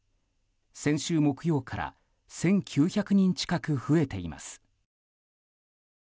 先週木曜から１９００人近く増えています。